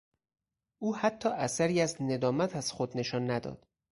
او حتی اثری از ندامت از خود نشان نداد.